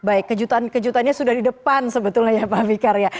baik kejutan kejutannya sudah di depan sebetulnya ya pak fikar ya